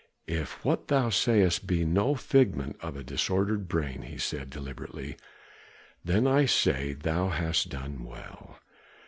"If what thou sayest be no figment of a disordered brain," he said deliberately, "then I say thou hast done well.